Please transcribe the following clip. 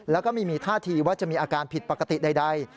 แล้วก็ไม่มีท่าทีว่าจะมีอาการผิดปกติใด